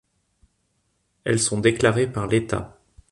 Elles sont déclarées par l'État.